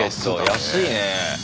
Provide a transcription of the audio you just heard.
安いね。